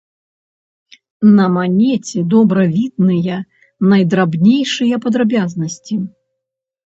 На манеце добра відныя найдрабнейшыя падрабязнасці.